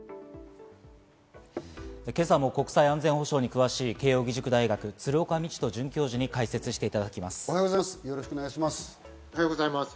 今朝も国際安全保障に詳しい慶應義塾大学、鶴岡路人准教授に解説していただきます。